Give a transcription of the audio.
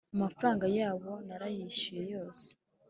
amafaranga yabo narayishyuye yose